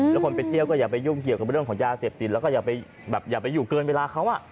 แล้วคนไปเที่ยวก็อย่าไปยุ่งเกี่ยวกับเรื่องของยาเสพติดแล้วก็อย่าไปอยู่เกินเวลาเขา